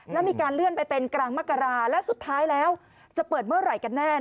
แล้วมีการเลื่อนไปเป็นกลางมกราและสุดท้ายแล้วจะเปิดเมื่อไหร่กันแน่